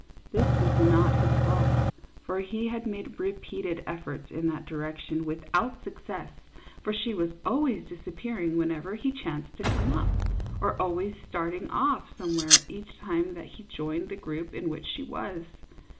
This was not his fault, for he had made repeated efforts in that direction, without suc cess, for she was always disappearing whenever he chanced to come up, or always starting off some where each time that he joined the group in which she was.